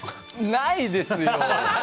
ないですよ。